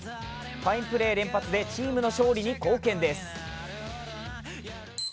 ファインプレー連発でチームの勝利に貢献です。